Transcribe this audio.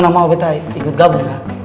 nona mau betah ikut gabung gak